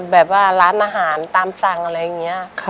แบบว่าร้านอาหารตามสั่งอะไรอย่างนี้